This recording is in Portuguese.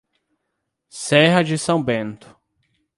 Serra de São Bento